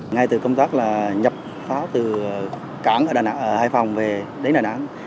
ngay từ công tác là nhập pháo từ cảng ở hai phòng về đến đà nẵng